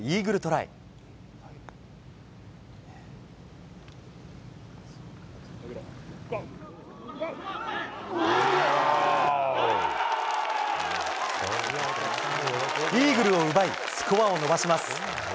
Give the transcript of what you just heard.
イーグルを奪いスコアを伸ばします。